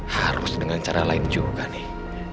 harus dengan cara lain juga nih